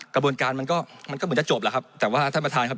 กระบวนการมันก็มันก็เหมือนจะจบแล้วครับแต่ว่าท่านประธานครับ